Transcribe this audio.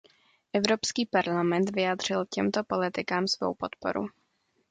Evropský parlament vyjádřil těmto politikám svou podporu.